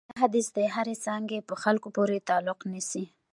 دا حدیث د هرې څانګې په خلکو پورې تعلق نیسي.